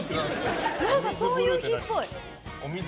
何かそういう日っぽい！